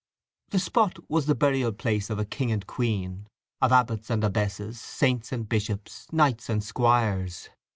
The spot was the burial place of a king and a queen, of abbots and abbesses, saints and bishops, knights and squires.